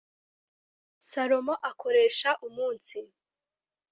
salomo akoresha umunsi